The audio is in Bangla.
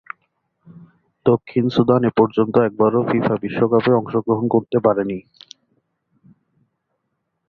দক্ষিণ সুদান এপর্যন্ত একবারও ফিফা বিশ্বকাপে অংশগ্রহণ করতে পারেনি।